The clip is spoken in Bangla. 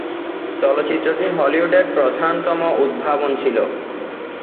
চলচ্চিত্রটি হলিউডের প্রধানতম উদ্ভাবন ছিল।